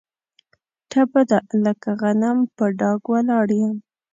ټپه ده: لکه غنم په ډاګ ولاړ یم.